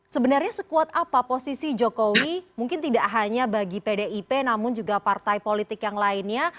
sebenarnya sekuat apa posisi jokowi mungkin tidak hanya bagi pdip namun juga partai politik yang lainnya